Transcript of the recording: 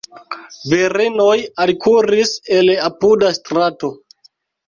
Virinoj alkuris el apuda strato.